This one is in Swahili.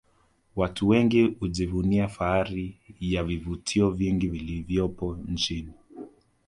Watu wengi hujivunia fahari ya vivutio vingi vilivyopo nchini